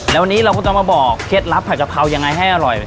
แล้ววันนี้เราก็ต้องมาบอกเคล็ดลับผัดกะเพรายังไงให้อร่อย